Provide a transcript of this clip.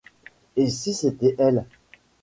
Et si c’était elle!